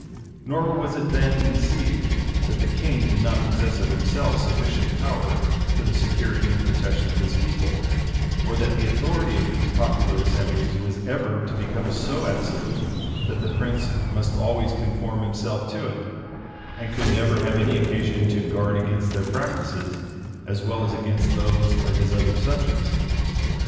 Nor was it then conceived, that the king did not possess of himself sufficient power for the security and protection of his people, or that the authority of these popular assemblies was ever to become so absolute, that the prince must always conform himself to it, and could never have any occasion to guard against their practices, as well as against those of his other subjects.